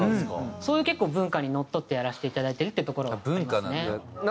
そういう結構文化にのっとってやらせていただいてるってところがありますね。